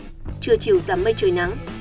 trưa chiều giắm mây trời nắng